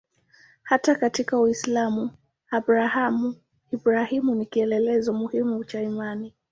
Hata katika Uislamu Abrahamu-Ibrahimu ni kielelezo muhimu cha imani.